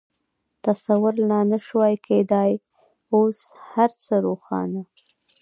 تصور لا نه شوای کېدای، اوس هر څه روښانه.